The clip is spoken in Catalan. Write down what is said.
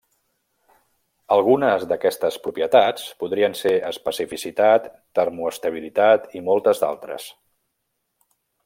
Algunes d'aquestes propietats podrien ser especificitat, termoestabilitat i moltes d'altres.